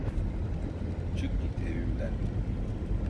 Çık git evimden.